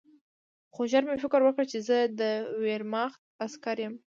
خو ژر مې فکر وکړ چې زه د ویرماخت عسکر یم